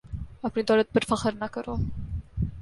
اپنی دولت پر فکر نہ کرو